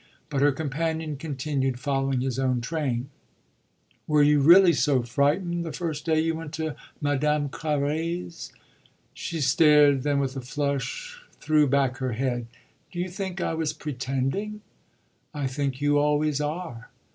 But her companion continued, following his own train. "Were you really so frightened the first day you went to Madame Carré's?" She stared, then with a flush threw back her head. "Do you think I was pretending?" "I think you always are.